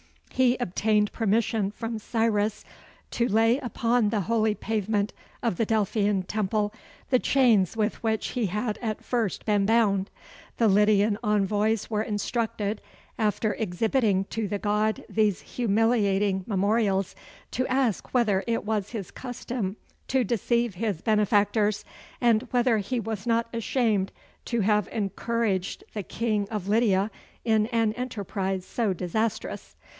He obtained permission from Cyrus to lay upon the holy pavement of the Delphian temple the chains with which he had at first been bound. The Lydian envoys were instructed, after exhibiting to the god these humiliating memorials, to ask whether it was his custom to deceive his benefactors, and whether he was not ashamed to have encouraged the king of Lydia in an enterprise so disastrous?